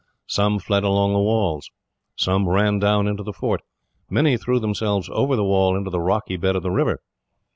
Some fled along the walls. Some ran down into the fort. Many threw themselves over the wall into the rocky bed of the river.